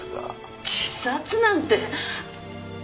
自殺なんて。